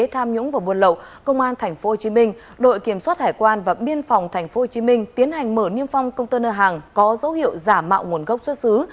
tham nhũng và buôn lậu công an tp hcm đội kiểm soát hải quan và biên phòng tp hcm tiến hành mở niêm phong container hàng có dấu hiệu giả mạo nguồn gốc xuất xứ